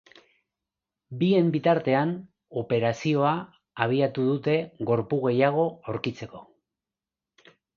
Bien bitartean, operazioa abiatu dute gorpu gehiago aurkitzeko.